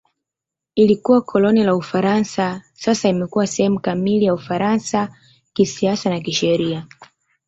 Ilikuwa koloni la Ufaransa; sasa imekuwa sehemu kamili ya Ufaransa kisiasa na kisheria.